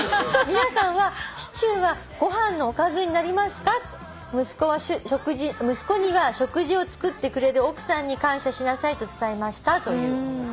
「皆さんはシチューはご飯のおかずになりますか？」「息子には食事を作ってくれる奥さんに感謝しなさいと伝えました」という。